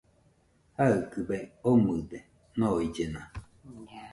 Jaɨkɨbe omɨde noillena